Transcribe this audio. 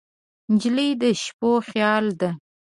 نجلۍ د شپو خیال ده.